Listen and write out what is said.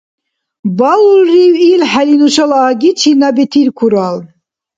Балулрив илхӀели нушала аги чина бетиркурал?